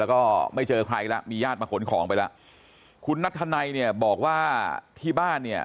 แล้วก็ไม่เจอใครแล้วมีญาติมาขนของไปแล้วคุณนัทธนัยเนี่ยบอกว่าที่บ้านเนี่ย